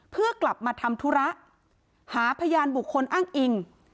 เพื่อกลับมาทำธุระหาพยานบุคคลอ้างอิง